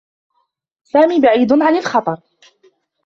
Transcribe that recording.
سامي بعيد عن الخطر.